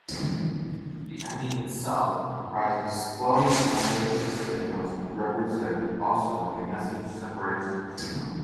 The Ending itself comprises twelve letter shift signals which represent also a Message-Separation Signal.